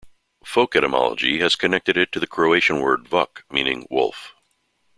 Folk etymology has connected it to the Croatian word "vuk", meaning "wolf".